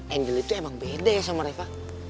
angel itu emang beda ya sama mereka